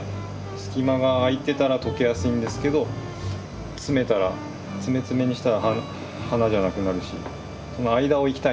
隙間が空いてたら溶けやすいんですけど詰めたら詰め詰めにしたら花じゃなくなるしその間をいきたいんで。